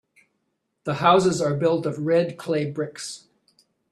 The houses are built of red clay bricks.